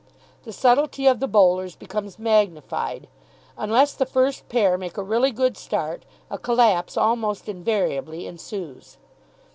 The subtlety of the bowlers becomes magnified. Unless the first pair make a really good start, a collapse almost invariably ensues.